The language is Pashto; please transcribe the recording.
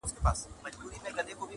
• نا خبره د انسان له چل او دامه -